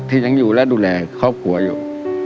ยังอยู่และดูแลครอบครัวอยู่